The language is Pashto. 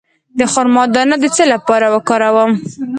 د خرما دانه د څه لپاره وکاروم؟